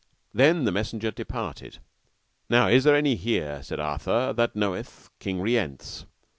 Then the messenger departed. Now is there any here, said Arthur, that knoweth King Rience?